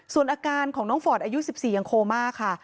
ส่วนอาการของน้องฟอร์ดอายุ๑๔ยังโคม่าค่ะ